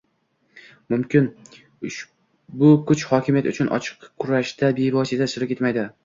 mumkin. Ushbu kuch hokimiyat uchun ochiq kurashda bevosita ishtirok etmaydi